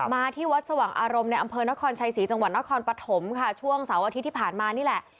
มาที่วัดสว่างอารมณ์ในอำเภอนครชัยศรีจังหวัดนครปฐมค่ะช่วงเสาร์อาทิตย์ที่ผ่านมานี่แหละ